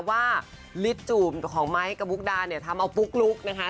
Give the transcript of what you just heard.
ว่าลิฟต์จูบของไม้กับมุกดาเนี่ยทำเอาปุ๊กลุ๊กนะคะ